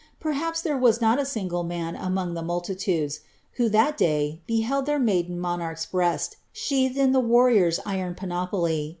Perhaps ihere »a not a single man among the multitudes, who that day beheld their maiden monarch's breast sheathed in the warrior's iron panoplv.